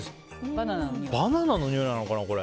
バナナのにおいなのかな。